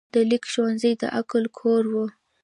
د لیک ښوونځی د عقل کور و.